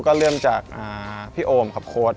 ก็เริ่มจากพี่โอมกับโค้ด